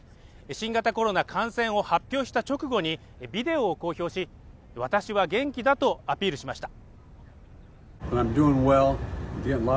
新型コロナ感染を発表した直後にビデオを公表し私は元気だとアピールしました。